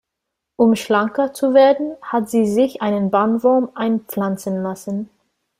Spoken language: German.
Um schlanker zu werden, hat sie sich einen Bandwurm einpflanzen lassen.